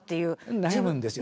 悩むんですよ。